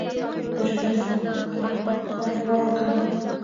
مجاهد د الله خوښه له خلکو غوره ګڼي.